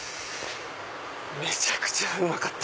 めちゃくちゃうまかった！